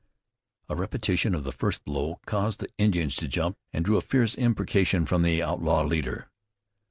A repetition of the first blow caused the Indians to jump, and drew a fierce imprecation from their outlaw leader.